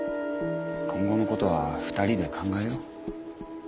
今後の事は２人で考えよう。